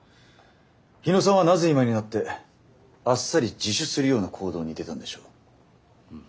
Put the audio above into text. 日野さんはなぜ今になってあっさり自首するような行動に出たんでしょう。